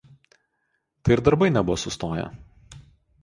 tad ir darbai nebuvo sustoję